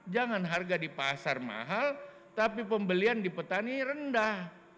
jangan harga di pasar mahal tapi pembelian di petani rendah